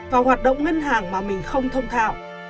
và hoạt động ngân hàng mà mình không thông thạo